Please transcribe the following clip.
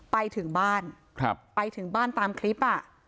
ไปถึงบ้านไปถึงบ้านตามคลิปอ่ะ